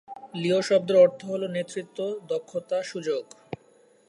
লিও শব্দের অর্থ হল নেতৃত্ব, দক্ষতা, সুযোগ।